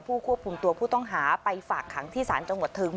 ควบคุมตัวผู้ต้องหาไปฝากขังที่ศาลจังหวัดเทิง